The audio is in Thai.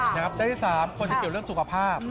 หน้าที่สามคนที่เกี่ยวกับเรื่องสุขภาพ